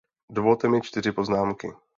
Dovolte mi čtyři poznámky.